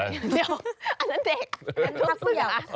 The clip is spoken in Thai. เดี๋ยวอันนั้นเด็กอันนั้นลูกเสือ